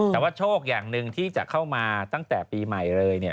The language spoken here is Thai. แต่ว่าโชคอย่างหนึ่งที่จะเข้ามาตั้งแต่ปีใหม่เลยเนี่ย